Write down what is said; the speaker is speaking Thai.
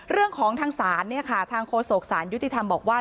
เรื่องของทางศาลเนี่ยค่ะทางโฆษกศาลยุติธรรมบอกว่า